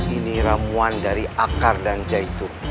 ini ramuan dari akar dan jahitu